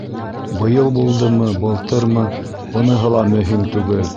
Быйыл булдымы, былтырмы, быныһы ла мөһим түгел.